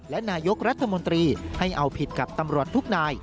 และนายกรัฐมนตรีให้เอาผิดกับตำรวจทุกนาย